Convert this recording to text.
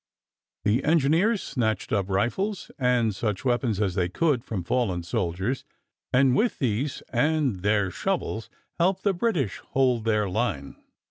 The engineers snatched up rifles and such weapons as they could from fallen soldiers, and with these and their shovels helped the British to hold their line.